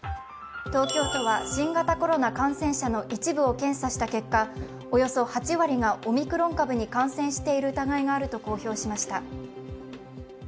東京都は新型コロナの一部の感染者を検査した結果、およそ８割がオミクロン株に感染している疑いがあると公表しました。